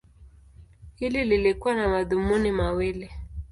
Hili lilikuwa na madhumuni mawili.